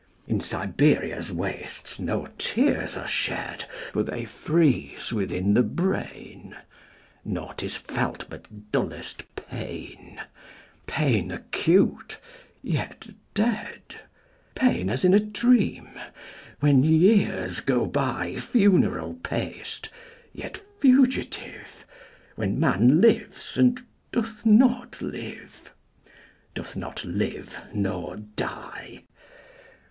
In Siberia's wastesNo tears are shed, For they freeze within the brain. Naught is felt but dullest pain, Pain acute, yet dead; Pain as in a dream, When years go byFuneral paced, yet fugitive, When man lives, and doth not live, Doth not live—nor die.